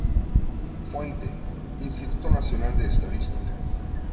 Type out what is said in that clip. Fuente: Instituto Nacional de Estadística